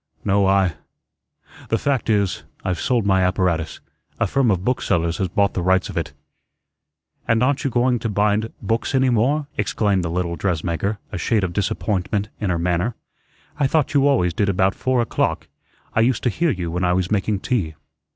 "No, I the fact is, I've sold my apparatus; a firm of booksellers has bought the rights of it." "And aren't you going to bind books any more?" exclaimed the little dressmaker, a shade of disappointment in her manner. "I thought you always did about four o'clock. I used to hear you when I was making tea."